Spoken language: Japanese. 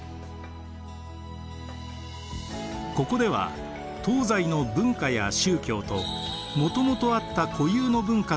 ここでは東西の文化や宗教ともともとあった固有の文化とが結び付き